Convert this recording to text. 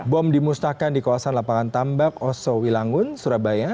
bom dimusnahkan di kawasan lapangan tambak oso wilangun surabaya